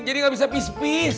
jadi gak bisa pis pis